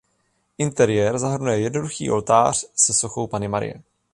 Interiér zahrnuje jednoduchý oltář se sochou Panny Marie.